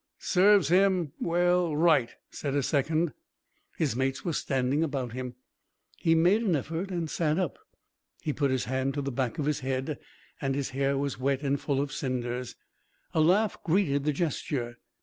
"Serve him well right," said a second. His mates were standing about him. He made an effort and sat up. He put his hand to the back of his head, and his hair was wet and full of cinders. A laugh greeted the gesture.